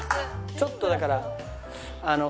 ちょっとだから。